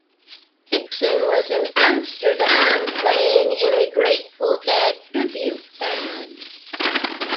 Dixon was in Amsterdam playing in a Grateful Dead tribute band.